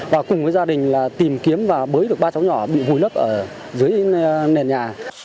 và cùng với gia đình là tìm kiếm và bới được ba cháu nhỏ bị vùi lấp ở dưới nền nhà